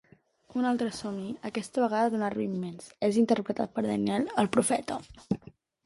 Un altre somni, aquesta vegada d'un arbre immens, és interpretat per Daniel el profeta.